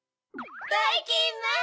ばいきんまん！